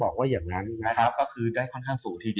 คือได้ค่อนข้างสูงทีเดียว